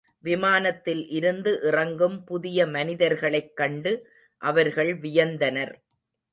விமானத்தில் இருந்து இறங்கும் புதிய மனிதர்களைக் கண்டு அவர்கள் வியந்தனர்.